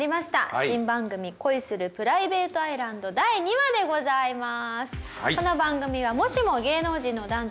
新番組『恋するプライベートアイランド』第２話でございます！